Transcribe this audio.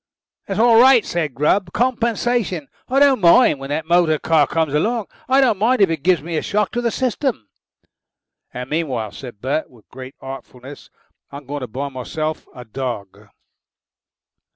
"That's all right," said Grubb. "Compensation. I don't mind when that motor car comes along. I don't mind even if it gives me a shock to the system." "And meanwhile," said Bert, with great artfulness, "I'm going to buy myself a dog."